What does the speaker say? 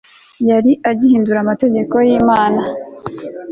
yari agihindura amategeko y'imana